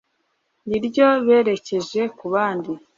niryo berekeje ku bandi